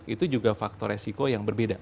itu juga faktor resiko yang berbeda